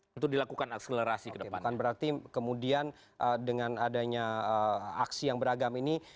berarti kemudian dengan adanya aksi yang beragam ini